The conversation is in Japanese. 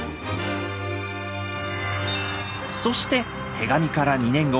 そして手紙から２年後。